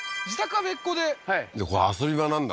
はい遊び場なんだ？